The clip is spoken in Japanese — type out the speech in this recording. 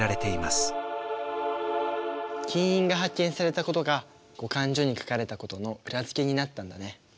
金印が発見されたことが「後漢書」に書かれたことの裏付けになったんだね。